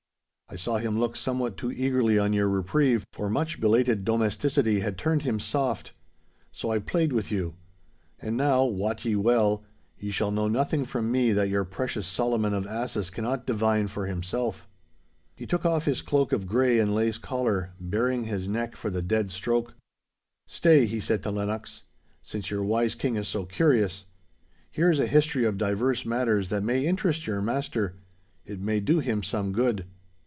I saw him look somewhat too eagerly on your reprieve, for much belated domesticity had turned him soft. So I played with you. And now, wot ye well, ye shall know nothing from me that your precious Solomon of asses cannot divine for himself!' He took off his cloak of grey and lace collar, baring his neck for the dead stroke. 'Stay,' he said to Lennox. 'Since your wise King is so curious. Here is a history of divers matters that may interest your master. It may do him some good.